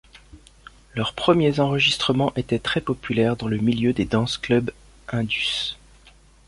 Leurs premiers enregistrements étaient très populaires dans le milieu des dance clubs indus.